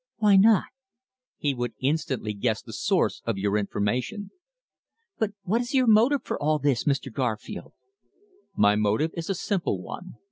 "Why not?" "He would instantly guess the source of your information." "But what is your motive for all this, Mr. Garfield?" "My motive is a simple one.